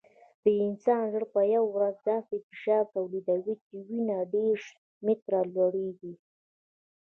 د انسان زړه په یوه ورځ داسې فشار تولیدوي چې وینه دېرش متره لوړېږي.